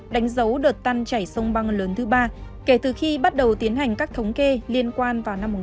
đánh dấu đợt tăng chảy sông băng lớn thứ ba kể từ khi bắt đầu tiến hành các thống kê liên quan vào năm một nghìn tám trăm chín mươi một